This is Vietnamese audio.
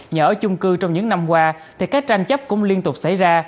nhà ở chung cư trong những năm qua thì các tranh chấp cũng liên tục xảy ra